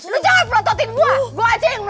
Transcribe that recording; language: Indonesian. lu jangan pelototin gue